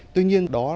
tuy nhiên đó